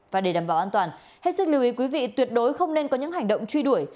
và để đảm bảo an toàn hết sức lưu ý quý vị tuyệt đối không nên có những hành động truy đuổi